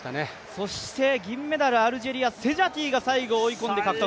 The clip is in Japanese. そして銀メダル、アルジェリア、セジャティが最後追い込んで獲得。